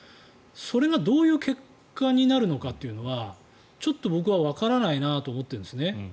それがどういう結果になるのかというのは僕はわからないなと思っているんですね。